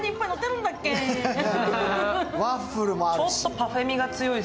ワッフルもあるし。